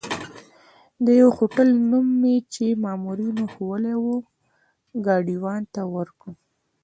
د یوه هوټل نوم مې چې مامورینو ښوولی وو، ګاډیوان ته ورکړ.